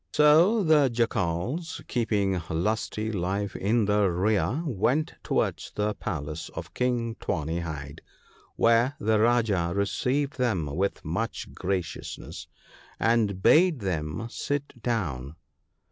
"So the Jackals, keeping Lusty life in the rear, went towards the palace of King Tawny hide; where the Rajah received them with much graciousness, and bade them sit down.